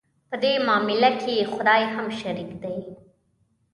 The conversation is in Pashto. په دې معامله کې خدای هم شریک دی.